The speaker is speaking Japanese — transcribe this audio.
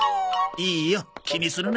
いいよ気にするな。